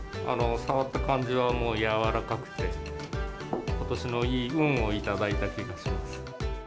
触った感じはもう、柔らかくて、ことしのいい運を頂いた気がします。